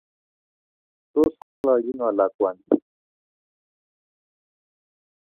Tos kongolchi ngo lakwani